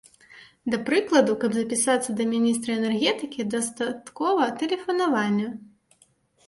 Да прыкладу, каб запісацца да міністра энергетыкі, дастаткова тэлефанавання.